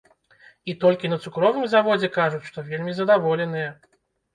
І толькі на цукровым заводзе кажуць, што вельмі задаволеныя.